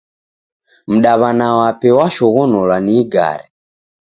Mdaw'ana wape washoghonolwa ni igare.